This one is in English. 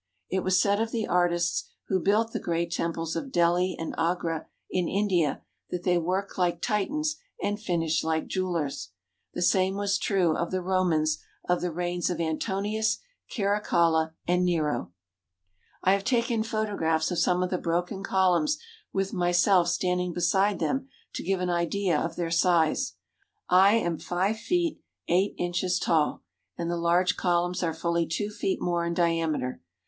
It was said of the artists who built the great temples of Delhi and Agra in India that they worked like Titans and finished like jewellers. The same was true of 238 BAALBEK THE WONDERFUL the Romans of the reigns of Antonius, Caracalla, and Nero. I have taken photographs of some of the broken col umns with myself standing beside them to give an idea of their size. I am five feet eight inches tall and the large columns are fully two feet more in diameter.